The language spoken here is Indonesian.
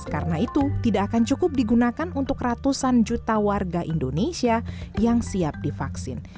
karena itu tidak akan cukup digunakan untuk ratusan juta warga indonesia yang siap divaksin